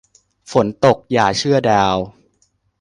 ฝนตกอย่าเชื่อดาว